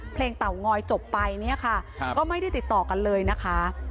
เตางอยจบไปเนี่ยค่ะก็ไม่ได้ติดต่อกันเลยนะคะ